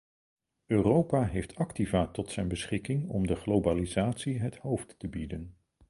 Europa heeft activa tot zijn beschikking om de globalisatie het hoofd te bieden.